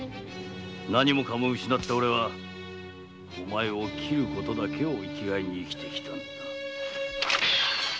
何もかも失ったオレはお前を斬る事だけを生きがいに生きてきたんだ。